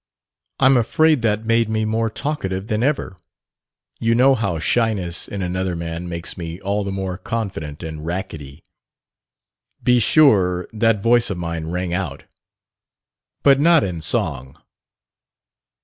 I'm afraid that made me more talkative than ever; you know how shyness in another man makes me all the more confident and rackety. Be sure that voice of mine rang out! But not in song.